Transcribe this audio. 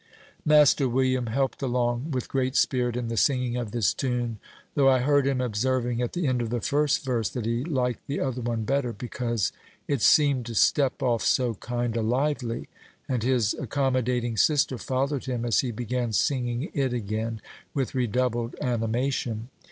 Master William helped along with great spirit in the singing of this tune, though I heard him observing, at the end of the first verse, that he liked the other one better, because "it seemed to step off so kind o' lively;" and his accommodating sister followed him as he began singing it again with redoubled animation.